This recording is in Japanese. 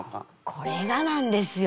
これがなんですよ。